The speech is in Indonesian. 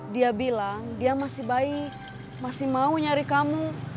dia bilang dia masih baik masih mau nyari kamu